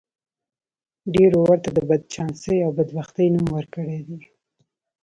ډېرو ورته د بدچانسۍ او بدبختۍ نوم ورکړی دی.